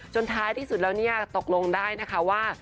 ท้ายที่สุดแล้วเนี่ยตกลงได้นะคะว่า